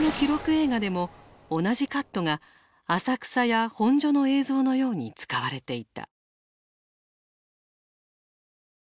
映画でも同じカットが浅草や本所の映像のように使われていた。